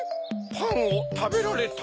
パンをたべられた？